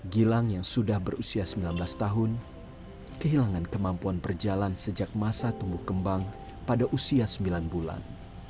gilang yang sudah berusia sembilan belas tahun kehilangan kemampuan berjalan sejak masa tumbuh kembang pada usia sembilan bulan